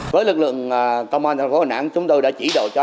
với lực lượng công an chúng tôi đã chỉ đồ cho